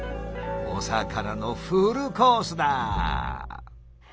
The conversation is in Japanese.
お魚のフルコースだ！